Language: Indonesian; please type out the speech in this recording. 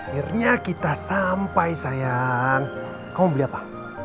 akhirnya kita sampai sayang kaum beli apa